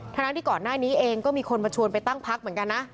ทั้งนั้นที่ก่อนหน้านี้เองก็มีคนมาชวนไปตั้งพักเหมือนกันนะ